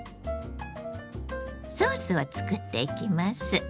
ソースを作っていきます。